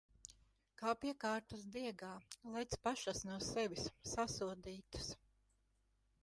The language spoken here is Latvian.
Kā piekārtas diegā... Lec pašas no sevis! Sasodītas!